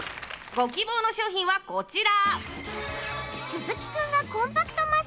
ご希望の商品はこちら。